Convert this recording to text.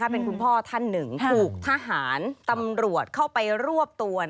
เป็นคุณพ่อท่านหนึ่งถูกทหารตำรวจเข้าไปรวบตัว